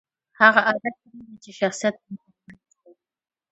هغه عادت پرېږدئ، چي شخصت ته مو تاوان رسوي.